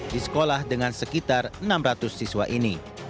di sekolah dengan sekitar enam ratus siswa ini